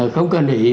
không cần để ý